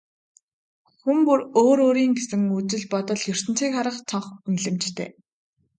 Хүн бүр өөр өөрийн гэсэн үзэл бодол, ертөнцийг харах цонх, үнэлэмжтэй.